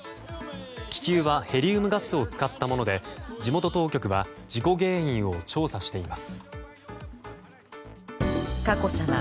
気球はヘリウムガムを使ったもので地元当局は事故原因を調査しています。